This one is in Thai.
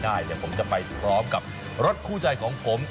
ใช่เดี๋ยวผมจะไปพร้อมกับรถคู่ใจของผม